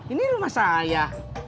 ini rumah saya